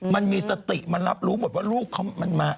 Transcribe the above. มันมีสติมันรับรู้หมดว่าลูกเขามันมา